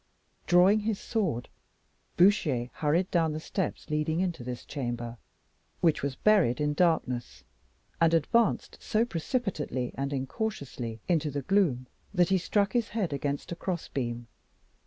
Drawing his sword, Bouchier hurried down the steps leading into this chamber, which was buried in darkness, and advanced so precipitately and incautiously into the gloom, that he struck his head against a crossbeam.